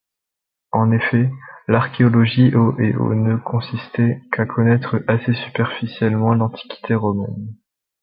En effet, l'archéologie au et au ne consistait qu'à connaître assez superficiellement l'antiquité romaine.